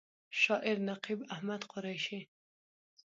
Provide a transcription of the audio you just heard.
شاعر: نقیب احمد قریشي